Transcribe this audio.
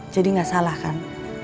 jadi gak salah kan